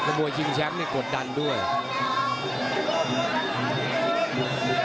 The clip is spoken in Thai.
มวยชิงแชมป์เนี่ยกดดันด้วย